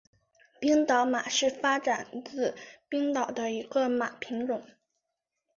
冰岛马是发展自冰岛的一个马品种。